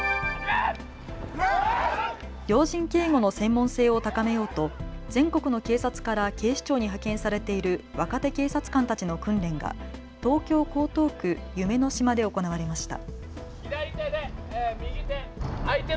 要人警護の専門性を高めようと全国の警察から警視庁に派遣されている若手警察官たちの訓練が東京江東区夢の島で行われました。